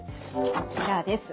こちらです。